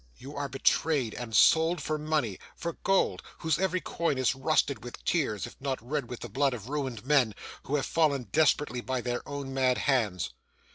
You are betrayed and sold for money; for gold, whose every coin is rusted with tears, if not red with the blood of ruined men, who have fallen desperately by their own mad hands.